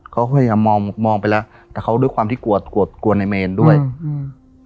เขาก็พยายามมองมองไปแล้วแต่เขาด้วยความที่กลัวกลัวในเมนด้วยอืม